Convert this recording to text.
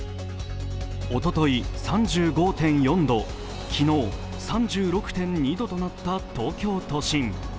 おととい３５．４度、昨日３６．２度となった東京都心。